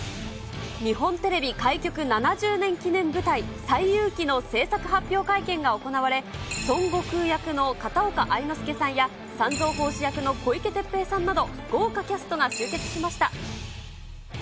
日本テレビ開局７０年記念舞台、西遊記の制作発表会見が行われ、孫悟空役の片岡愛之助さんや、三蔵法師役の小池徹平さんなど、豪華キャストが集結しました。